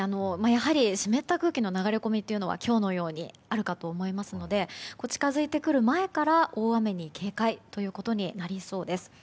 やはり湿った空気の流れ込みは今日のようにあるかと思いますので近づいてくる前から大雨に警戒ということになりそうです。